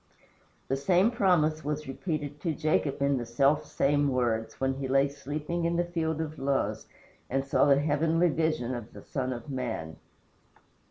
The same promise was repeated to Jacob in the self same words, when he lay sleeping in the field of Luz and saw the heavenly vision of the Son of man.